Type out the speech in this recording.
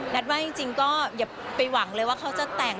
ว่าจริงก็อย่าไปหวังเลยว่าเขาจะแต่ง